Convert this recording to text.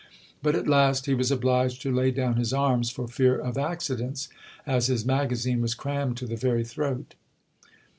But at last he was obliged to lay down his arms for fear of accidents ; as his magazine was crammed to the very throat.